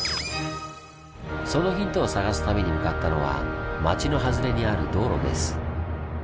そのヒントを探すために向かったのは町の外れにある道路です。